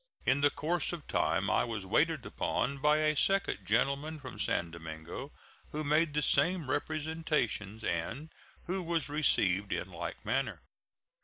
In the course of time I was waited upon by a second gentleman from San Domingo, who made the same representations, and who was received in like manner.